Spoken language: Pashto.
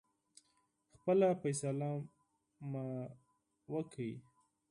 خپله فیصله مو وکړی.